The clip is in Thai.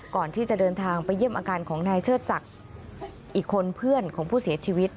ก่อนที่จะเดินทางไปเยี่ยมอาการของนายเชิดศักดิ์อีกคนเพื่อนของผู้เสียชีวิต